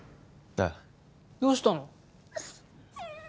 ああどうしたの？